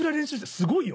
すごいよ！